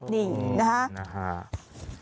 นี่นะครับ